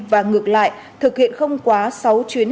và ngược lại thực hiện không quá sáu chuyến